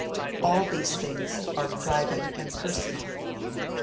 All these things are private and personal.